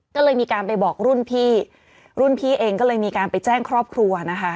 ก็เลยมีการไปบอกรุ่นพี่รุ่นพี่เองก็เลยมีการไปแจ้งครอบครัวนะคะ